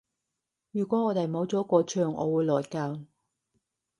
如果我哋冇咗個場我會內疚